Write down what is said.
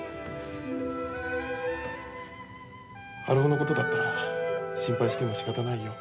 春男のことだったら心配してもしかたないよ。